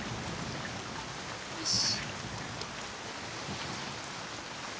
よし。